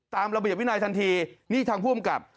ตามระเบียบวินัยทันทีนี่ทางผู้อำกับ